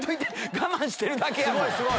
我慢してるだけやもん。